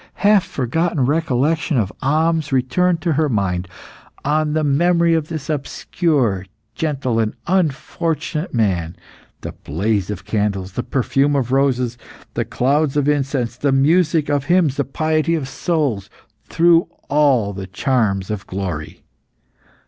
Half forgotten recollections of Ahmes returned to her mind. On the memory of this obscure, gentle, and unfortunate man, the blaze of candles, the perfume of roses, the clouds of incense, the music of hymns, the piety of souls, threw all the charms of glory.